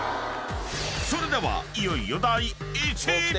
［それではいよいよ第１位！］